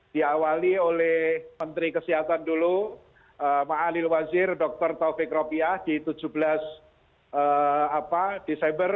diawali oleh menteri kesehatan dulu ⁇ maalil wazir dr taufik ropiah di tujuh belas desember